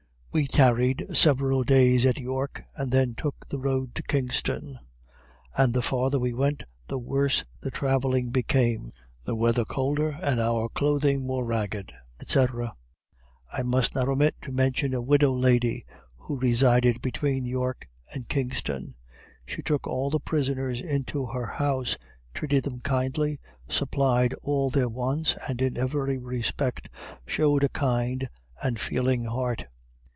We tarried several days at York, and then took the road to Kingston; and the farther we went the worse the travelling became, the weather colder, and our clothing more ragged, &c. I must not omit to mention a widow lady who resided between York and Kingston. She took all the prisoners into her house, treated them kindly, supplied all their wants, and in every respect showed a kind and feeling heart.